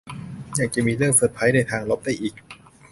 ยังจะมีเรื่องเซอร์ไพรส์ในทางลบได้อีก